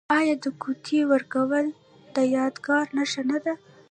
آیا د ګوتې ورکول د یادګار نښه نه ده؟